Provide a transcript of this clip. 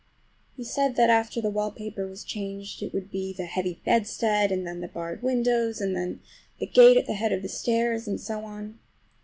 He said that after the wallpaper was changed it would be the heavy bedstead, and then the barred windows, and then that gate at the head of the stairs, and so on.